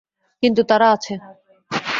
কিন্তু তারা আছে।